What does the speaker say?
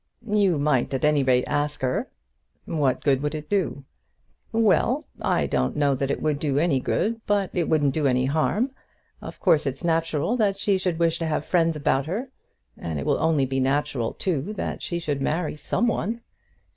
"You might at any rate ask her." "What good would it do?" "Well; I don't know that it would do any good; but it wouldn't do any harm. Of course it's natural that she should wish to have friends about her; and it will only be natural too that she should marry some one."